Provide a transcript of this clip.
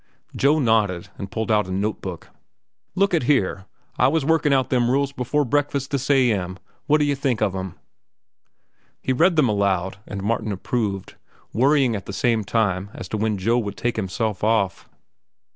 Joe nodded and pulled out a note book. "Look at here. I was workin' out them rules before breakfast this A.M. What d'ye think of them?" He read them aloud, and Martin approved, worrying at the same time as to when Joe would take himself off.